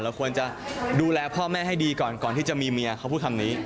ควรจะดูแลพ่อแม่ให้ดีก่อนก่อนที่จะมีเมียเขาพูดคำนี้